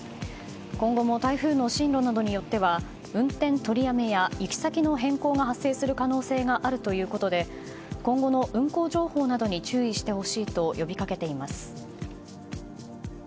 今後も台風の進路などによっては運転取りやめや行先の変更が発生する可能性があるということで今後の運行情報などに注意してほしいと呼び掛けています。